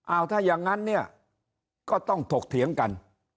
เอาถ้าอย่างนั้นเนี่ยก็ต้องถกเถียงกัน